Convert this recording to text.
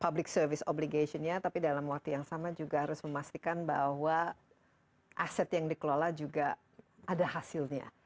public service obligation nya tapi dalam waktu yang sama juga harus memastikan bahwa aset yang dikelola juga ada hasilnya